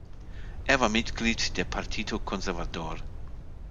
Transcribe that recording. Er war Mitglied der "Partido Conservador".